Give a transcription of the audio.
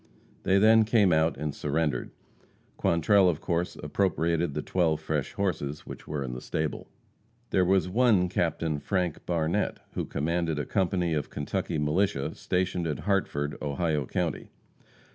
They then came out and surrendered. Quantrell, of course, appropriated the twelve fresh horses which were in the stable. There was one Captain Frank Barnette, who commanded a company of Kentucky militia stationed at Hartford, Ohio county.